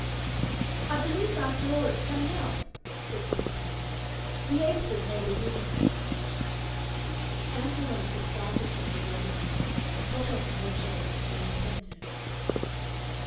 "I believe after all it's coming out!" said Miss Stanley. "The aces made it easy." Ann Veronica started from her reverie, sat up in her chair, became attentive.